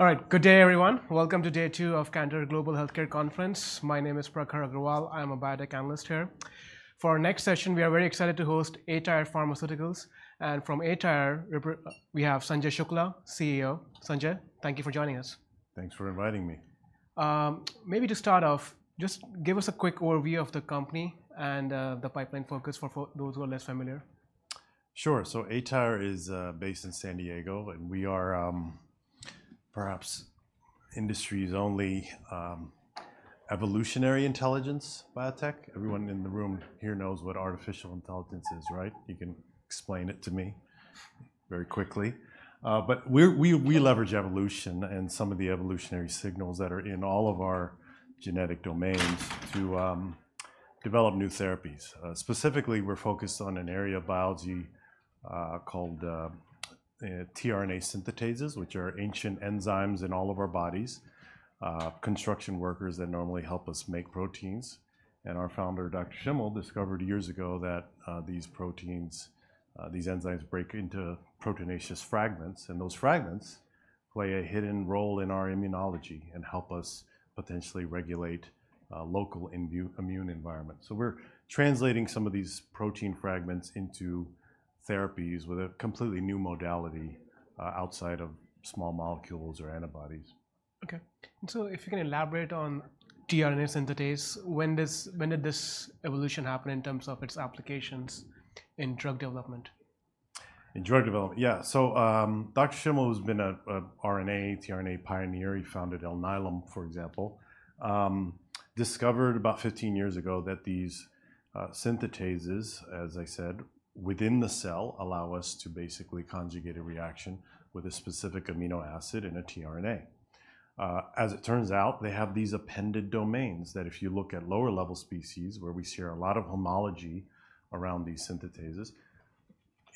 All right, good day, everyone. Welcome to day two of Cantor Global Healthcare Conference. My name is Prakhar Agrawal. I'm a biotech analyst here. For our next session, we are very excited to host aTyr Pharma, and from aTyr, we have Sanjay Shukla, CEO. Sanjay, thank you for joining us. Thanks for inviting me. Maybe to start off, just give us a quick overview of the company and the pipeline focus for those who are less familiar. Sure, so aTyr is based in San Diego, and we are perhaps industry's only evolutionary intelligence biotech. Everyone in the room here knows what artificial intelligence is, right? You can explain it to me very quickly, but we're leverage evolution and some of the evolutionary signals that are in all of our genetic domains to develop new therapies. Specifically, we're focused on an area of biology called tRNA synthetases, which are ancient enzymes in all of our bodies, construction workers that normally help us make proteins. And our founder, Dr. Schimmel, discovered years ago that these proteins, these enzymes break into proteinaceous fragments, and those fragments play a hidden role in our immunology and help us potentially regulate local immune environment. We're translating some of these protein fragments into therapies with a completely new modality, outside of small molecules or antibodies. Okay. So if you can elaborate on tRNA synthetase, when did this evolution happen in terms of its applications in drug development? In drug development? Yeah. So, Dr. Schimmel, who's been a RNA, tRNA pioneer, he founded Alnylam, for example, discovered about fifteen years ago that these synthetases, as I said, within the cell, allow us to basically conjugate a reaction with a specific amino acid and a tRNA. As it turns out, they have these appended domains that if you look at lower-level species, where we share a lot of homology around these synthetases,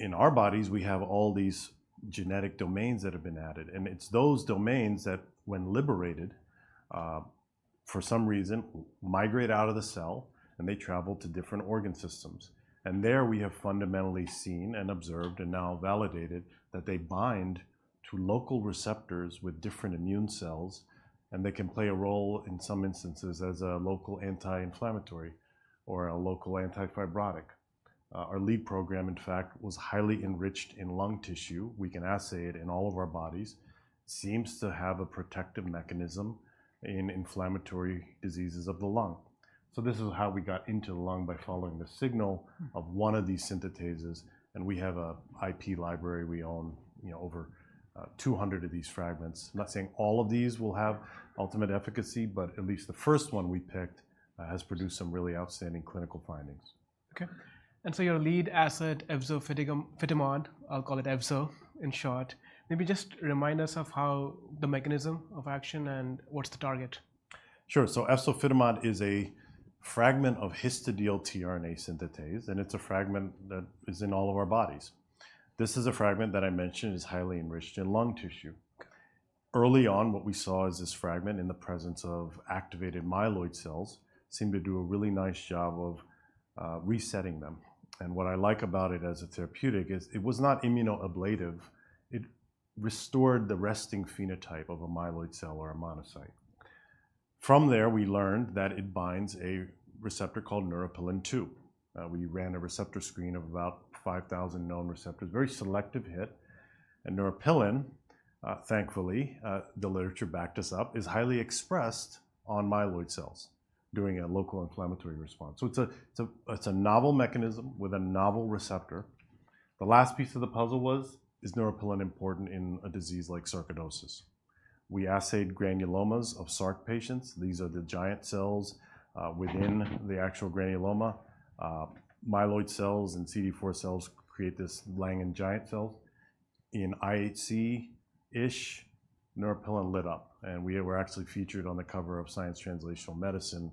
in our bodies, we have all these genetic domains that have been added, and it's those domains that, when liberated, for some reason, migrate out of the cell, and they travel to different organ systems. There we have fundamentally seen and observed, and now validated, that they bind to local receptors with different immune cells, and they can play a role in some instances as a local anti-inflammatory or a local anti-fibrotic. Our lead program, in fact, was highly enriched in lung tissue. We can assay it in all of our bodies. It seems to have a protective mechanism in inflammatory diseases of the lung. This is how we got into the lung by following the signal of one of these synthetases, and we have a IP library. We own, you know, over 200 of these fragments. I'm not saying all of these will have ultimate efficacy, but at least the first one we picked has produced some really outstanding clinical findings. Okay. And so your lead asset, efzofitimod, I'll call it Efzo in short, maybe just remind us of how the mechanism of action and what's the target? Sure. So efzofitimod is a fragment of histidyl-tRNA synthetase, and it's a fragment that is in all of our bodies. This is a fragment that I mentioned is highly enriched in lung tissue. Early on, what we saw is this fragment in the presence of activated myeloid cells seemed to do a really nice job of resetting them. And what I like about it as a therapeutic is it was not immunoablative; it restored the resting phenotype of a myeloid cell or a monocyte. From there, we learned that it binds a receptor called neuropilin-2. We ran a receptor screen of about 5,000 known receptors, very selective hit, and neuropilin-2, thankfully, the literature backed us up, is highly expressed on myeloid cells during a local inflammatory response. So it's a novel mechanism with a novel receptor. The last piece of the puzzle was, is neuropilin-2 important in a disease like sarcoidosis? We assayed granulomas of sarc patients. These are the giant cells within the actual granuloma. Myeloid cells and CD4 cells create this Langhans giant cell. In IHC tissue, neuropilin lit up, and we were actually featured on the cover of Science Translational Medicine,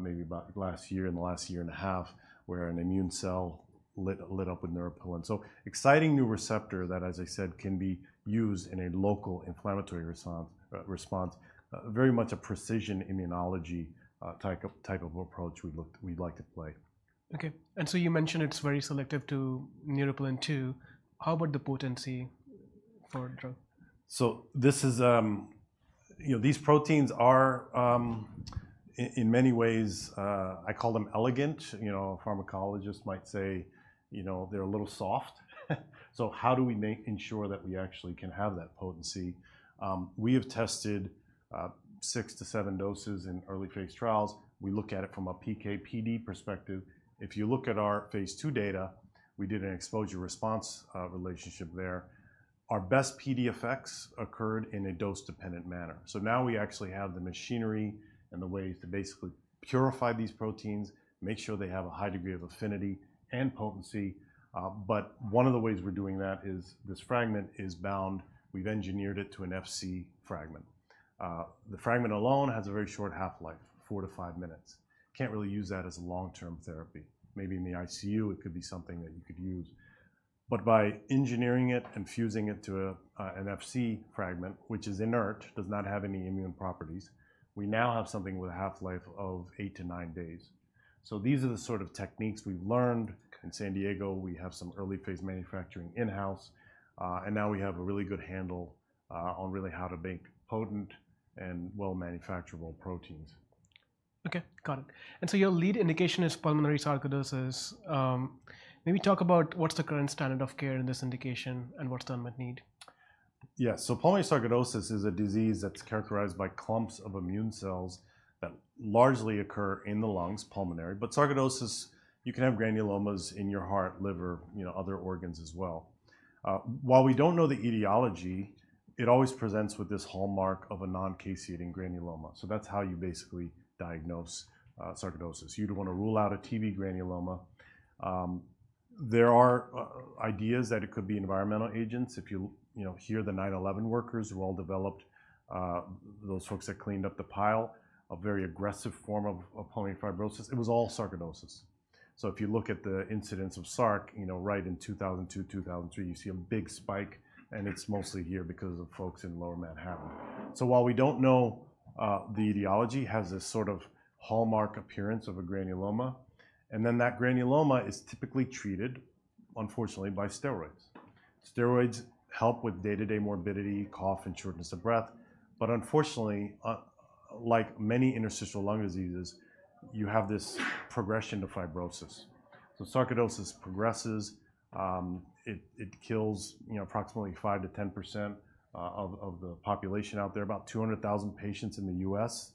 maybe about last year, in the last year and a half, where an immune cell lit up with neuropilin. So exciting new receptor that, as I said, can be used in a local inflammatory response, very much a precision immunology type of approach we'd like to play. Okay. And so you mentioned it's very selective to neuropilin-2. How about the potency for drug? So this is. You know, these proteins are in many ways. I call them elegant. You know, a pharmacologist might say, you know, they're a little soft. So how do we make sure that we actually can have that potency? We have tested six to seven doses in early phase trials. We look at it from a PK/PD perspective. If you look at our phase II data, we did an exposure-response relationship there. Our best PD effects occurred in a dose-dependent manner. So now we actually have the machinery and the ways to basically purify these proteins, make sure they have a high degree of affinity and potency. But one of the ways we're doing that is this fragment is bound. We've engineered it to an Fc fragment. The fragment alone has a very short half-life, four to five minutes. Can't really use that as a long-term therapy. Maybe in the ICU, it could be something that you could use. But by engineering it and fusing it to an Fc fragment, which is inert, does not have any immune properties, we now have something with a half-life of eight to nine days. So these are the sort of techniques we've learned. In San Diego, we have some early phase manufacturing in-house, and now we have a really good handle on really how to make potent and well manufacturable proteins. Okay, got it. And so your lead indication is pulmonary sarcoidosis. Maybe talk about what's the current standard of care in this indication, and what's the unmet need? Yeah, so pulmonary sarcoidosis is a disease that's characterized by clumps of immune cells that largely occur in the lungs, pulmonary, but sarcoidosis, you can have granulomas in your heart, liver, you know, other organs as well. While we don't know the etiology, it always presents with this hallmark of a non-caseating granuloma, so that's how you basically diagnose sarcoidosis. You'd want to rule out a TB granuloma. There are ideas that it could be environmental agents. If you, you know, hear the 9/11 workers who all developed, those folks that cleaned up the pile, a very aggressive form of pulmonary fibrosis. It was all sarcoidosis, so if you look at the incidence of sarc, you know, right in two thousand and two, two thousand and three, you see a big spike, and it's mostly here because of folks in Lower Manhattan. So while we don't know the etiology, has this sort of hallmark appearance of a granuloma, and then that granuloma is typically treated, unfortunately, by steroids. Steroids help with day-to-day morbidity, cough, and shortness of breath, but unfortunately, like many interstitial lung diseases, you have this progression to fibrosis. So sarcoidosis progresses, it kills, you know, approximately five to 10% of the population out there, about 200,000 patients in the U.S.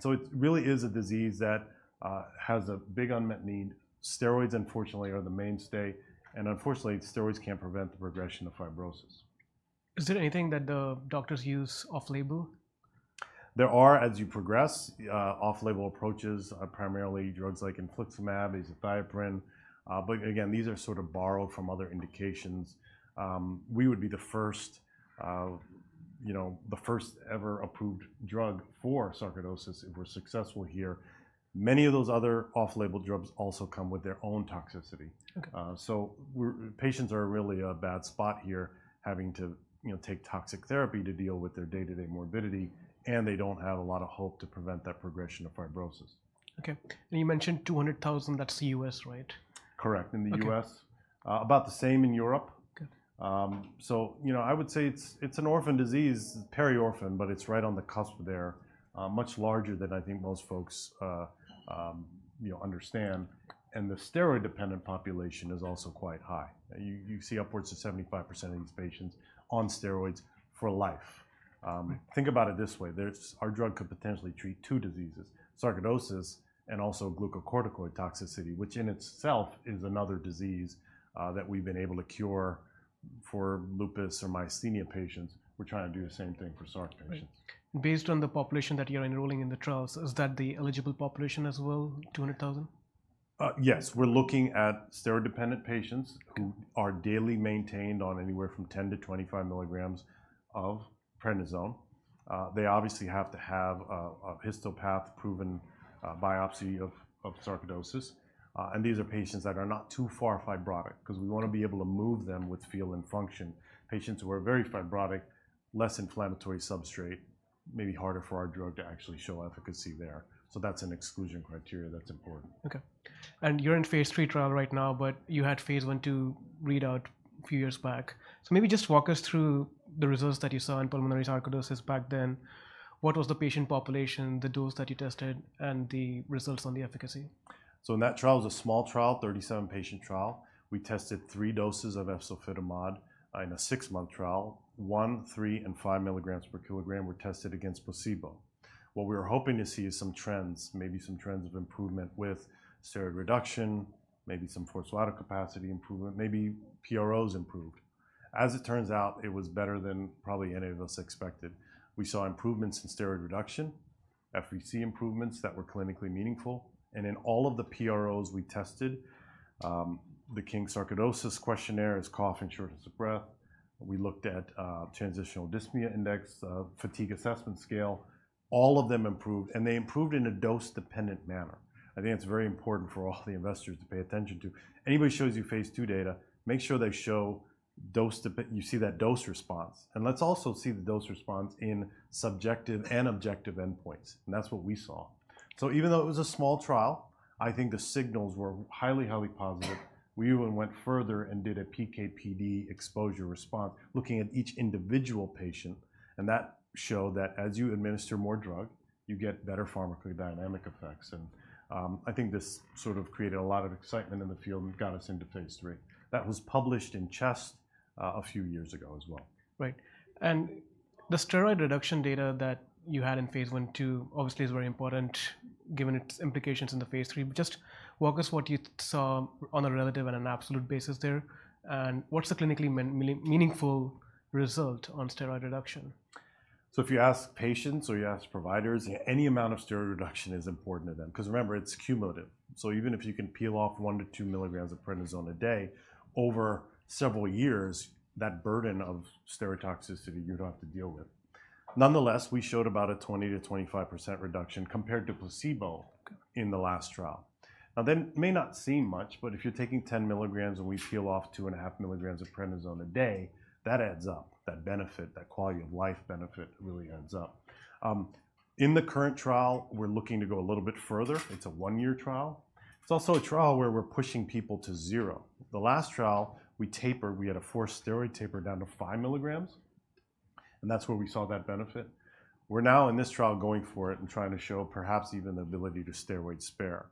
So it really is a disease that has a big unmet need. Steroids, unfortunately, are the mainstay, and unfortunately, steroids can't prevent the progression of fibrosis. Is there anything that the doctors use off-label? There are, as you progress, off-label approaches, primarily drugs like infliximab, azathioprine. But again, these are sort of borrowed from other indications. We would be the first, you know, the first ever approved drug for sarcoidosis if we're successful here. Many of those other off-label drugs also come with their own toxicity. Okay. Patients are in a really bad spot here, having to, you know, take toxic therapy to deal with their day-to-day morbidity, and they don't have a lot of hope to prevent that progression of fibrosis. Okay. And you mentioned 200,000, that's the U.S., right? Correct, in the U.S. Okay. About the same in Europe. Good. So, you know, I would say it's an orphan disease, peri-orphan, but it's right on the cusp there. Much larger than I think most folks, you know, understand, and the steroid-dependent population is also quite high. You see upwards of 75% of these patients on steroids for life. Think about it this way, there's our drug could potentially treat two diseases, sarcoidosis and also glucocorticoid toxicity, which in itself is another disease, that we've been able to cure for lupus or myasthenia patients. We're trying to do the same thing for sarc patients. Right. Based on the population that you're enrolling in the trials, is that the eligible population as well, 200,000? Yes, we're looking at steroid-dependent patients who are daily maintained on anywhere from 10 to 25 milligrams of prednisone. They obviously have to have a histopath proven biopsy of sarcoidosis, and these are patients that are not too far fibrotic because we wanna be able to move them with FVC and function. Patients who are very fibrotic, less inflammatory substrate, may be harder for our drug to actually show efficacy there. So that's an exclusion criteria that's important. Okay and you're in phase III trial right now, but you had phase I and II readout a few years back, so maybe just walk us through the results that you saw in pulmonary sarcoidosis back then. What was the patient population, the dose that you tested, and the results on the efficacy? So in that trial, it was a small trial, 37-patient trial. We tested three doses of efzofitimod in a six-month trial. One, three, and five milligrams per kilogram were tested against placebo. What we were hoping to see is some trends, maybe some trends of improvement with steroid reduction, maybe some forced vital capacity improvement, maybe PROs improved. As it turns out, it was better than probably any of us expected. We saw improvements in steroid reduction, FVC improvements that were clinically meaningful, and in all of the PROs we tested, the King's Sarcoidosis Questionnaire is cough and shortness of breath. We looked at Transitional Dyspnea Index, Fatigue Assessment Scale. All of them improved, and they improved in a dose-dependent manner. I think it's very important for all the investors to pay attention to. Anybody shows you phase II data, make sure they show dose dependent. You see that dose response, and let's also see the dose response in subjective and objective endpoints, and that's what we saw. So even though it was a small trial, I think the signals were highly, highly positive. We even went further and did a PK/PD exposure response, looking at each individual patient, and that showed that as you administer more drug, you get better pharmacodynamic effects. And, I think this sort of created a lot of excitement in the field and got us into phase III. That was published in Chest, a few years ago as well. Right. And the steroid reduction data that you had in phase I and II obviously is very important, given its implications in the phase III. But just walk us what you saw on a relative and an absolute basis there, and what's the clinically meaningful result on steroid reduction? If you ask patients or you ask providers, any amount of steroid reduction is important to them because remember, it's cumulative. Even if you can peel off one to two milligrams of prednisone a day, over several years, that burden of steroid toxicity, you don't have to deal with. Nonetheless, we showed about a 20%-25% reduction compared to placebo in the last trial. Now, that may not seem much, but if you're taking 10 milligrams and we peel off two and a half milligrams of prednisone a day, that adds up. That benefit, that quality of life benefit really adds up. In the current trial, we're looking to go a little bit further. It's a one-year trial. It's also a trial where we're pushing people to zero. The last trial, we tapered, we had a forced steroid taper down to five milligrams, and that's where we saw that benefit. We're now, in this trial, going for it and trying to show perhaps even the ability to steroid spare.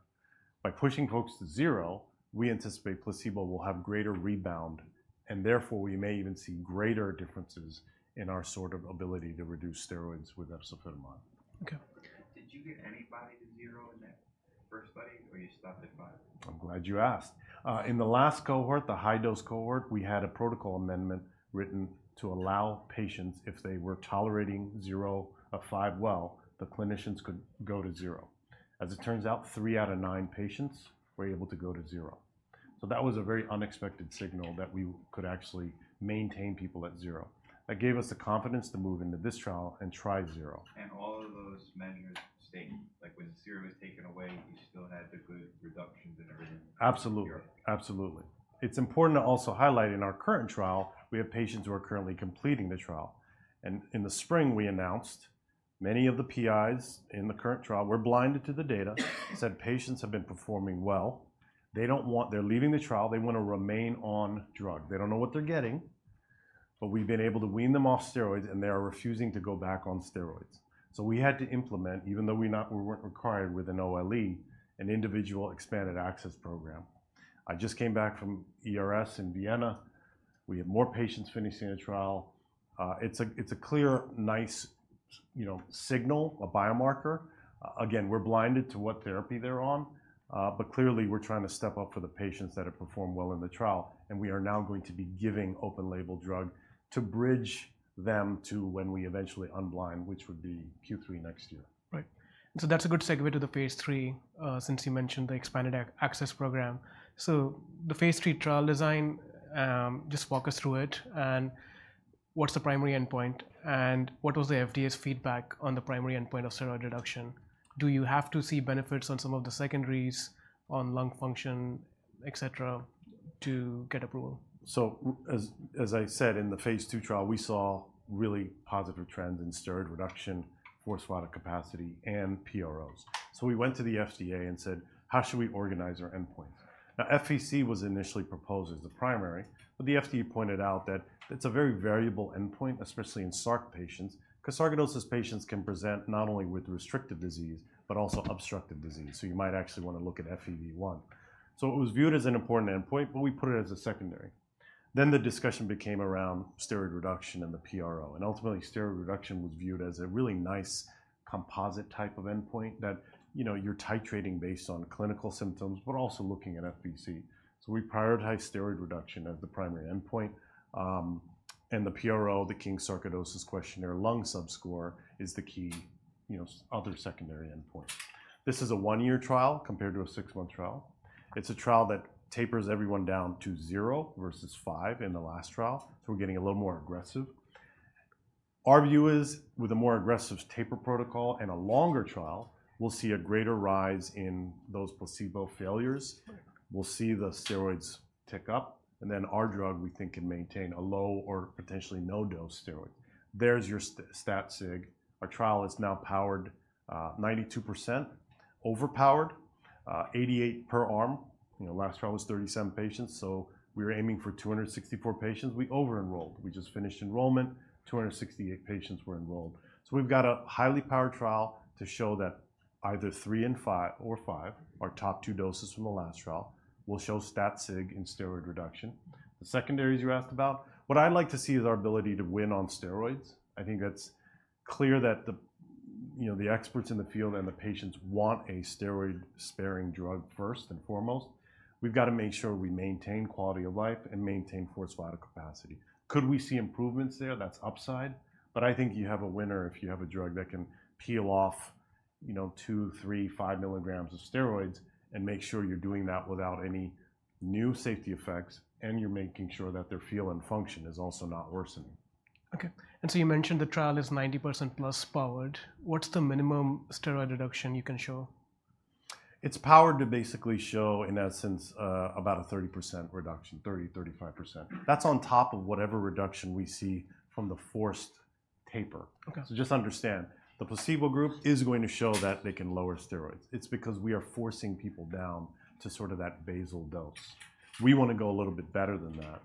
By pushing folks to zero, we anticipate placebo will have greater rebound, and therefore, we may even see greater differences in our sort of ability to reduce steroids with efzofitimod. Okay. Did you get anybody to zero in that first study, or you stopped at five? I'm glad you asked. In the last cohort, the high-dose cohort, we had a protocol amendment written to allow patients, if they were tolerating zero of five well, the clinicians could go to zero. As it turns out, three out of nine patients were able to go to zero. So that was a very unexpected signal that we could actually maintain people at zero. That gave us the confidence to move into this trial and try zero. All of those measures stayed, like when zero was taken away, you still had the good reductions in everything? Absolutely. Absolutely. It's important to also highlight in our current trial, we have patients who are currently completing the trial, and in the spring, we announced many of the PIs in the current trial were blinded to the data, said patients have been performing well. They don't want. They're leaving the trial. They want to remain on drug. They don't know what they're getting, but we've been able to wean them off steroids, and they are refusing to go back on steroids. So we had to implement, even though we weren't required with an OLE, an individual expanded access program. I just came back from ERS in Vienna. We have more patients finishing the trial. It's a clear, nice, you know, signal, a biomarker. Again, we're blinded to what therapy they're on, but clearly, we're trying to step up for the patients that have performed well in the trial, and we are now going to be giving open label drug to bridge them to when we eventually unblind, which would be Q3 next year. Right. So that's a good segue to the phase III, since you mentioned the expanded access program. So the phase III trial design, just walk us through it, and what's the primary endpoint, and what was the FDA's feedback on the primary endpoint of steroid reduction? Do you have to see benefits on some of the secondaries on lung function, etc, to get approval? As I said, in the phase II trial, we saw really positive trends in steroid reduction, forced vital capacity, and PROs. We went to the FDA and said, "How should we organize our endpoint?" Now, FVC was initially proposed as the primary, but the FDA pointed out that it's a very variable endpoint, especially in sarc patients, 'cause sarcoidosis patients can present not only with restrictive disease but also obstructive disease, so you might actually want to look at FEV1. It was viewed as an important endpoint, but we put it as a secondary. The discussion became around steroid reduction and the PRO, and ultimately, steroid reduction was viewed as a really nice composite type of endpoint that, you know, you're titrating based on clinical symptoms, but also looking at FVC. So we prioritize steroid reduction as the primary endpoint, and the PRO, the King's Sarcoidosis Questionnaire lung subscore is the key, you know, other secondary endpoint. This is a one-year trial compared to a six-month trial. It's a trial that tapers everyone down to zero versus five in the last trial, so we're getting a little more aggressive. Our view is, with a more aggressive taper protocol and a longer trial, we'll see a greater rise in those placebo failures. Yeah. We'll see the steroids tick up, and then our drug, we think, can maintain a low or potentially no-dose steroid. There's your stat sig. Our trial is now powered 92%, overpowered, 88 per arm. You know, last trial was 37 patients, so we were aiming for 264 patients. We over-enrolled. We just finished enrollment. 268 patients were enrolled. So we've got a highly powered trial to show that either 3 and 5 or 5, our top two doses from the last trial, will show stat sig in steroid reduction. The secondaries you asked about, what I'd like to see is our ability to win on steroids. I think that's clear that the, you know, the experts in the field and the patients want a steroid-sparing drug first and foremost. We've got to make sure we maintain quality of life and maintain forced vital capacity. Could we see improvements there? That's upside, but I think you have a winner if you have a drug that can peel off, you know, two, three, five milligrams of steroids and make sure you're doing that without any new safety effects, and you're making sure that their feel and function is also not worsening. Okay, and so you mentioned the trial is 90%-plus powered. What's the minimum steroid reduction you can show? It's powered to basically show, in that sense, about a 30% reduction, 30, 35%. That's on top of whatever reduction we see from the forced taper. Okay. So just understand, the placebo group is going to show that they can lower steroids. It's because we are forcing people down to sort of that basal dose. We want to go a little bit better than that,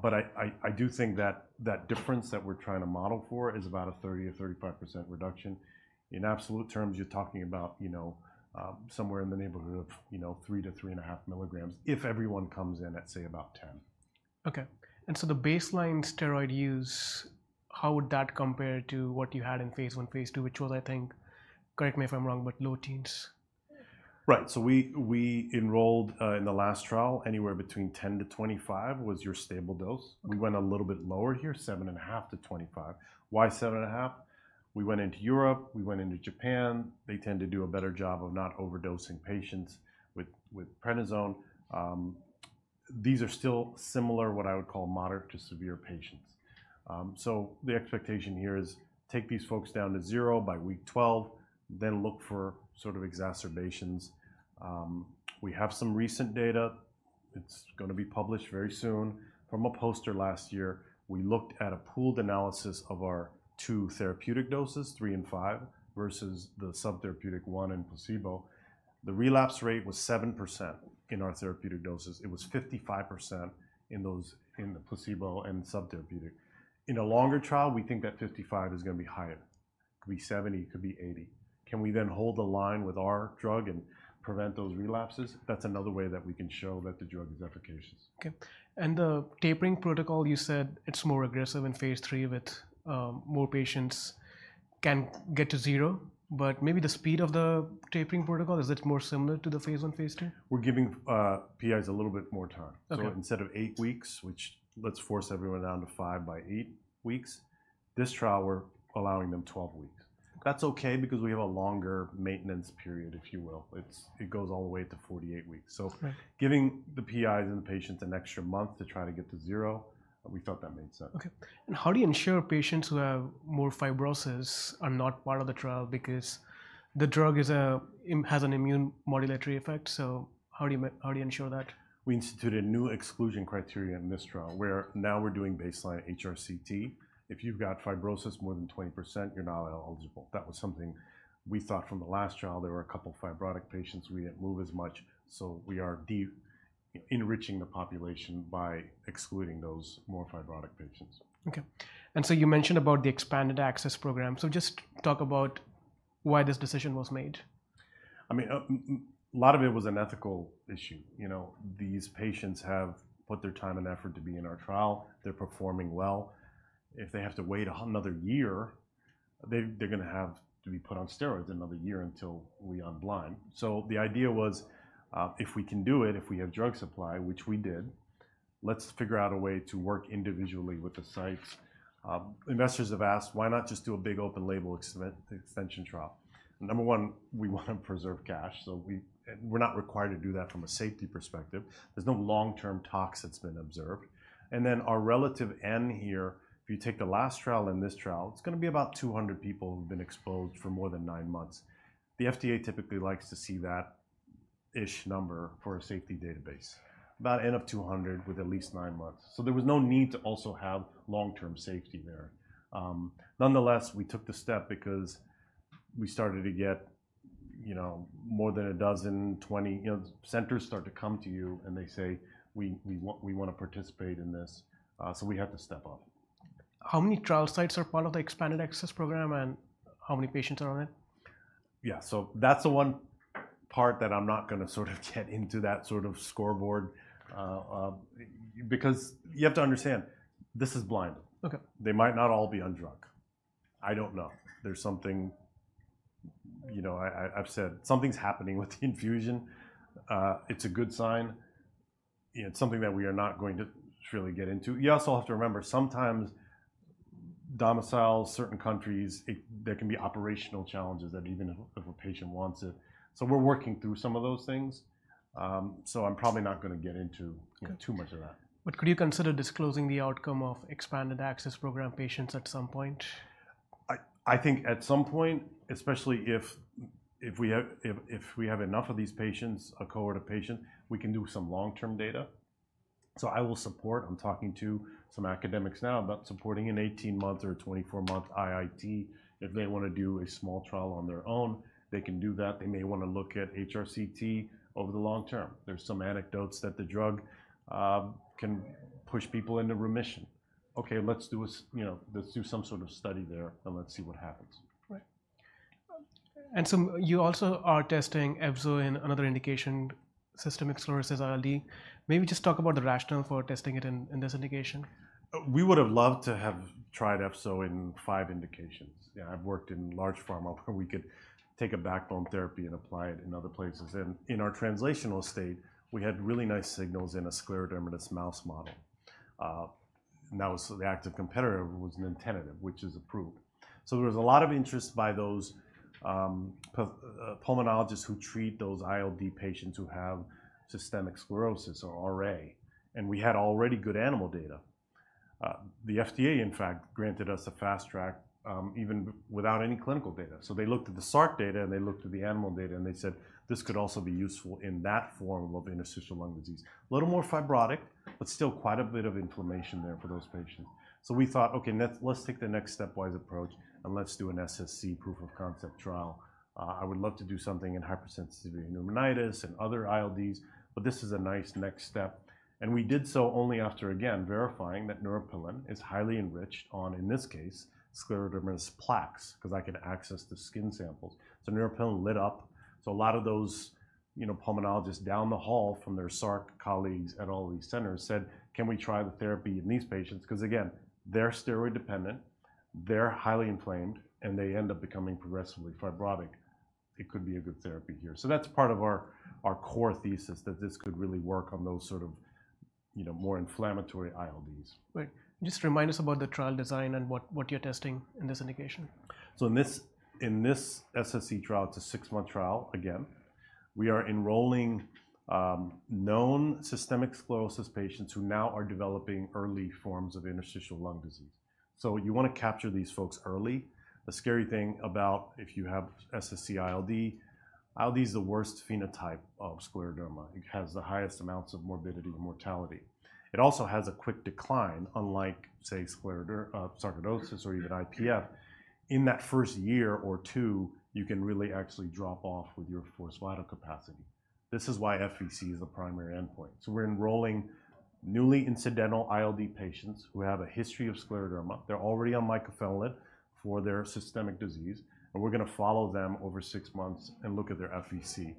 but I do think that that difference that we're trying to model for is about a 30%-35% reduction. In absolute terms, you're talking about, you know, somewhere in the neighborhood of, you know, three to three and a half milligrams if everyone comes in at, say, about 10. Okay, and so the baseline steroid use, how would that compare to what you had in phase I, phase II, which was, I think, correct me if I'm wrong, but low teens? Right. So we enrolled in the last trial anywhere between 10 to 25 was your stable dose. Okay. We went a little bit lower here, 7.5 to 25. Why 7.5? We went into Europe. We went into Japan. They tend to do a better job of not overdosing patients with prednisone. These are still similar, what I would call moderate to severe patients. The expectation here is take these folks down to zero by week 12, then look for sort of exacerbations. We have some recent data, it's gonna be published very soon. From a poster last year, we looked at a pooled analysis of our two therapeutic doses, three and five, versus the subtherapeutic one and placebo. The relapse rate was 7% in our therapeutic doses. It was 55% in those, in the placebo and subtherapeutic. In a longer trial, we think that 55% is gonna be higher. Could be 70, could be 80. Can we then hold the line with our drug and prevent those relapses? That's another way that we can show that the drug is efficacious. Okay. And the tapering protocol, you said it's more aggressive in phase III with more patients can get to zero, but maybe the speed of the tapering protocol, is it more similar to the phase I, phase II? We're giving PIs a little bit more time. Okay. So, instead of eight weeks, which let's force everyone down to five by eight weeks, this trial, we're allowing them twelve weeks. Okay. That's okay because we have a longer maintenance period, if you will. It goes all the way to forty-eight weeks. Okay. Giving the PIs and the patients an extra month to try to get to zero, we thought that made sense. Okay. And how do you ensure patients who have more fibrosis are not part of the trial? Because the drug has an immune modulatory effect, so how do you ensure that? We instituted a new exclusion criteria in this trial, where now we're doing baseline HRCT. If you've got fibrosis more than 20%, you're not eligible. That was something we thought from the last trial. There were a couple fibrotic patients we didn't move as much, so we are de-enriching the population by excluding those more fibrotic patients. Okay. And so you mentioned about the expanded access program. So just talk about why this decision was made. I mean, a lot of it was an ethical issue. You know, these patients have put their time and effort to be in our trial. They're performing well. If they have to wait another year, they, they're gonna have to be put on steroids another year until we unblind. So the idea was, if we can do it, if we have drug supply, which we did, let's figure out a way to work individually with the sites. Investors have asked, "Why not just do a big open label extension trial?" Number one, we wanna preserve cash, so we... and we're not required to do that from a safety perspective. There's no long-term tox that's been observed. Then our relative N here, if you take the last trial and this trial, it's gonna be about 200 people who've been exposed for more than nine months. The FDA typically likes to see that-ish number for a safety database, about N of 200 with at least nine months. So there was no need to also have long-term safety there. Nonetheless, we took the step because we started to get, you know, more than a dozen, twenty. You know, centers start to come to you, and they say, "We want, we wanna participate in this." So we had to step up. How many trial sites are part of the expanded access program, and how many patients are on it? Yeah, so that's the one part that I'm not gonna sort of get into that sort of scoreboard, because you have to understand, this is blind. Okay. They might not all be on drug. I don't know. There's something. You know, I've said something's happening with the infusion. It's a good sign. It's something that we are not going to really get into. You also have to remember, sometimes domiciles, certain countries, there can be operational challenges that even if a patient wants it. So we're working through some of those things. So I'm probably not gonna get into too much of that. But could you consider disclosing the outcome of expanded access program patients at some point? I think at some point, especially if we have enough of these patients, a cohort of patients, we can do some long-term data. I will support. I'm talking to some academics now about supporting an 18-month or a 24-month IIT. If they wanna do a small trial on their own, they can do that. They may wanna look at HRCT over the long term. There's some anecdotes that the drug can push people into remission. "Okay, you know, let's do some sort of study there, and let's see what happens. Right. And so you also are testing efzo in another indication, systemic sclerosis ILD. Maybe just talk about the rationale for testing it in this indication. We would have loved to have tried efzofitimod in five indications. Yeah, I've worked in large pharma where we could take a backbone therapy and apply it in other places. And in our translational state, we had really nice signals in a scleroderma mouse model. And that was, so the active competitor was nintedanib, which is approved. So there was a lot of interest by those pulmonologists who treat those ILD patients who have systemic sclerosis or RA, and we had already good animal data. The FDA, in fact, granted us a fast track, even without any clinical data. So they looked at the sarc data, and they looked at the animal data, and they said, "This could also be useful in that form of interstitial lung disease." A little more fibrotic, but still quite a bit of inflammation there for those patients. So we thought, "Okay, let's take the next stepwise approach, and let's do an SSc proof of concept trial." I would love to do something in hypersensitivity pneumonitis and other ILDs, but this is a nice next step, and we did so only after, again, verifying that neuropilin is highly enriched on, in this case, scleroderma plaques, 'cause I could access the skin samples. Neuropilin lit up. A lot of those, you know, pulmonologists down the hall from their sarc colleagues at all these centers said, "Can we try the therapy in these patients?" 'Cause again, they're steroid dependent, they're highly inflamed, and they end up becoming progressively fibrotic. It could be a good therapy here. That's part of our core thesis, that this could really work on those sort of, you know, more inflammatory ILDs. Right. Just remind us about the trial design and what you're testing in this indication. So in this SSc trial, it's a six-month trial again. We are enrolling known systemic sclerosis patients who now are developing early forms of interstitial lung disease. You wanna capture these folks early. The scary thing about if you have SSc-ILD, ILD is the worst phenotype of scleroderma. It has the highest amounts of morbidity and mortality. It also has a quick decline, unlike, say, scleroderma or even IPF. In that first year or two, you can really actually drop off with your forced vital capacity. This is why FVC is a primary endpoint. We're enrolling newly incidental ILD patients who have a history of scleroderma. They're already on mycophenolate for their systemic disease, and we're gonna follow them over six months and look at their FVC.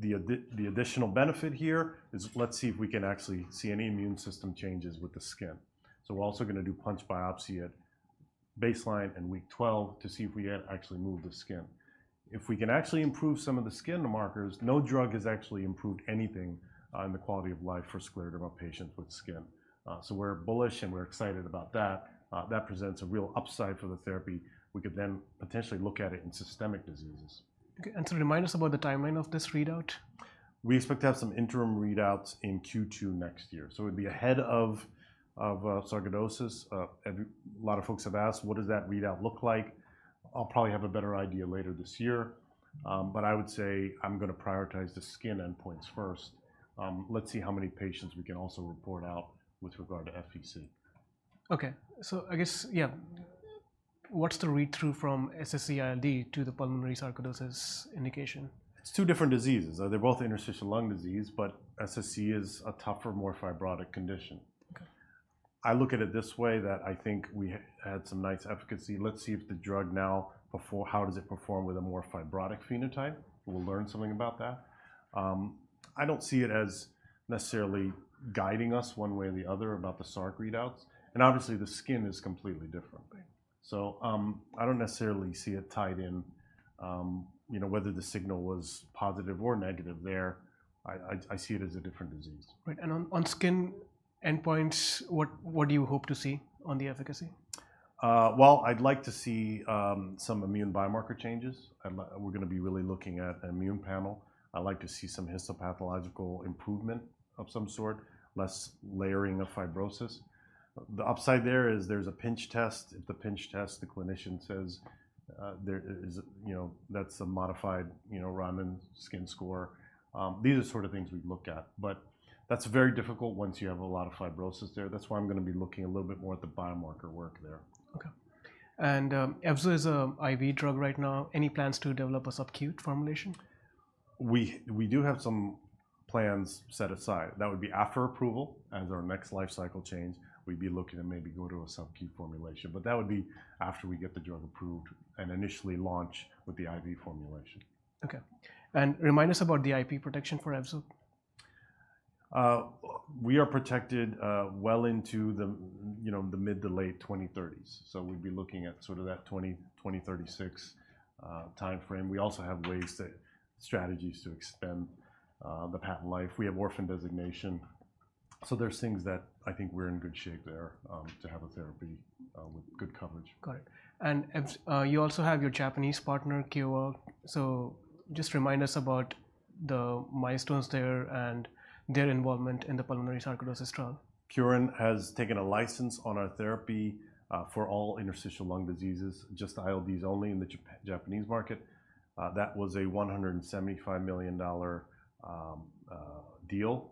The addi... The additional benefit here is let's see if we can actually see any immune system changes with the skin. So we're also gonna do punch biopsy at baseline and week 12 to see if we can actually move the skin. If we can actually improve some of the skin markers, no drug has actually improved anything in the quality of life for scleroderma patients with skin. So we're bullish, and we're excited about that. That presents a real upside for the therapy. We could then potentially look at it in systemic diseases. Okay, and so remind us about the timeline of this readout. We expect to have some interim readouts in Q2 next year, so it'd be ahead of sarcoidosis, and a lot of folks have asked: What does that readout look like? I'll probably have a better idea later this year, but I would say I'm gonna prioritize the skin endpoints first. Let's see how many patients we can also report out with regard to FVC. Okay, so I guess, yeah, what's the read-through from SSc-ILD to the pulmonary sarcoidosis indication? It's two different diseases. They're both interstitial lung disease, but SSc is a tougher, more fibrotic condition. Okay. I look at it this way, that I think we had some nice efficacy. Let's see how the drug performs with a more fibrotic phenotype? We'll learn something about that. I don't see it as necessarily guiding us one way or the other about the sarc readouts, and obviously, the skin is completely different. Right. So, I don't necessarily see it tied in, you know, whether the signal was positive or negative there. I see it as a different disease. Right, and on skin endpoints, what do you hope to see on the efficacy? Well, I'd like to see some immune biomarker changes. We're gonna be really looking at immune panel. I'd like to see some histopathological improvement of some sort, less layering of fibrosis. The upside there is there's a pinch test. If the pinch test, the clinician says, there is, you know, that's a modified, you know, Rodnan skin score. These are the sort of things we'd look at, but that's very difficult once you have a lot of fibrosis there. That's why I'm gonna be looking a little bit more at the biomarker work there. Okay. And Efzo is an IV drug right now. Any plans to develop a subcutaneous formulation? We do have some plans set aside. That would be after approval as our next life cycle change, we'd be looking to maybe go to a subcutaneous formulation, but that would be after we get the drug approved and initially launch with the IV formulation. Okay, and remind us about the IP protection for Efzo. We are protected well into the, you know, the mid-to-late 2030s, so we'd be looking at sort of that 2036 timeframe. We also have strategies to extend the patent life. We have orphan designation, so there's things that I think we're in good shape there to have a therapy with good coverage. Got it, and you also have your Japanese partner, Kyorin, so just remind us about the milestones there and their involvement in the pulmonary sarcoidosis trial. Kyorin has taken a license on our therapy for all interstitial lung diseases, just ILDs only in the Japanese market. That was a $175 million deal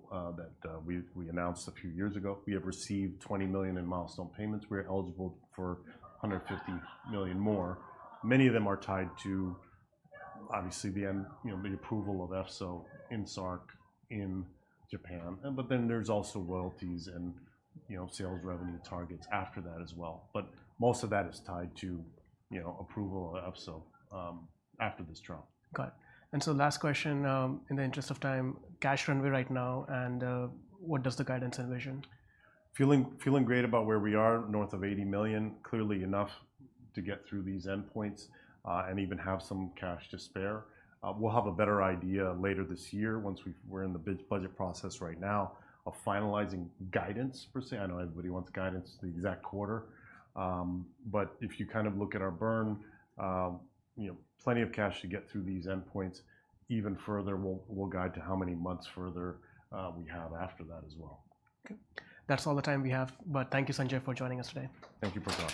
that we announced a few years ago. We have received $20 million in milestone payments. We are eligible for $150 million more. Many of them are tied to, obviously, the end, you know, the approval of Efzo in sarc in Japan, but then there's also royalties and, you know, sales revenue targets after that as well, but most of that is tied to, you know, approval of Efzo after this trial. Got it. And so last question, in the interest of time: cash runway right now, and what does the guidance envision? Feeling great about where we are, north of $80 million, clearly enough to get through these endpoints, and even have some cash to spare. We'll have a better idea later this year once we're in the budget process right now of finalizing guidance per se. I know everybody wants guidance the exact quarter. But if you kind of look at our burn, you know, plenty of cash to get through these endpoints even further. We'll guide to how many months further we have after that as well. Okay. That's all the time we have, but thank you, Sanjay, for joining us today. Thank you, Prakhar.